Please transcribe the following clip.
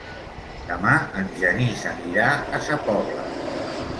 Demà en Genís anirà a Sa Pobla.